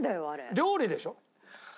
料理でしょ？